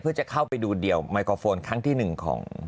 เพื่อจะเข้าไปดูเดี่ยวไมโครโฟนครั้งที่๑ของ